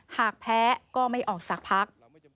หากแพ้ก็ไม่ออกจากพัก